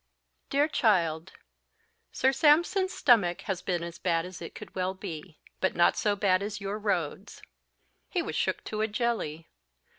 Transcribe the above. "DEAR CHILD Sir Sampson's stomach has been as bad as it could well be, but not so bad as your roads. He was shook to a jelly.